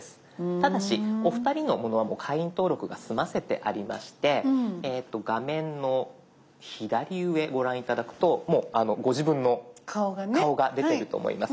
ただしお二人のものはもう会員登録が済ませてありまして画面の左上ご覧頂くともうご自分の顔が出てると思います。